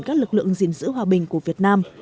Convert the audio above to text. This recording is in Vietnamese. các lực lượng gìn giữ hòa bình của việt nam